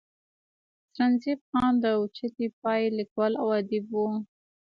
سرنزېب خان د اوچتې پائې ليکوال او اديب وو